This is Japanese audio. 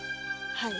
はい。